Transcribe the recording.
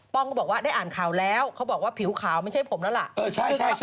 ก็บอกว่าได้อ่านข่าวแล้วเขาบอกว่าผิวขาวไม่ใช่ผมแล้วล่ะ